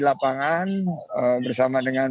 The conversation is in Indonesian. lapangan bersama dengan